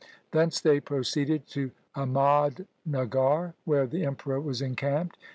Thence they proceeded to Ahmadnagar, where the Emperor was encamped.